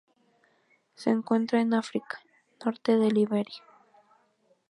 Se encuentran en África: norte de Liberia.